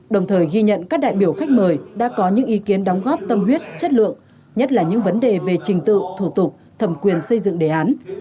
đồng thời ghi nhận các đại biểu khách mời đã có những ý kiến đóng góp tâm huyết chất lượng nhất là những vấn đề về trình tự thủ tục thẩm quyền xây dựng đề án